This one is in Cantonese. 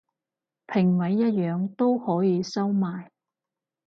評委一樣都可以收買